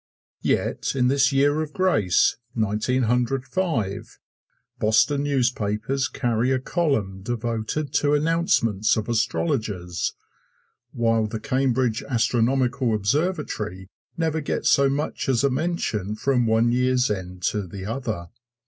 Yet, in this year of grace, Nineteen Hundred Five, Boston newspapers carry a column devoted to announcements of astrologers, while the Cambridge Astronomical Observatory never gets so much as a mention from one year's end to the other.